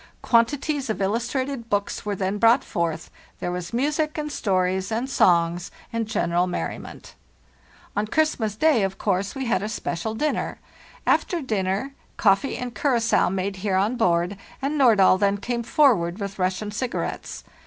Quantities of illustrated books were then brought forth; there was music, and stories, and songs, and general merriment. Il.—3 34 FARTHEST NORTH "On Christmas day, of course, we had a special dinner. After dinner coffee and curacoa made here on board, and Nordahl then came forward with Russian cigarettes.